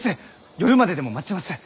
夜まででも待ちます！